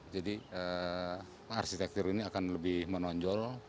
jadi arsitektur ini akan lebih menonjol